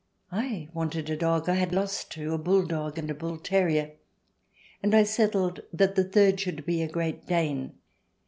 I wanted a dog. I had lost two — a bull dog and a bull terrier — and I settled that the third should be a Great Dane.